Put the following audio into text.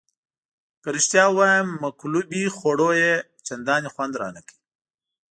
که رښتیا ووایم مقلوبې خوړو یې چندانې خوند رانه کړ.